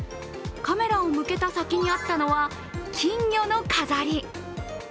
カメラを向けた先にあったのは金魚の飾り。